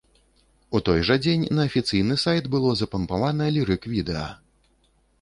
У той жа дзень на афіцыйны сайт было запампавана лірык-відэа.